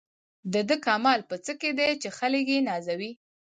د ده کمال په څه کې دی چې خلک یې نازوي.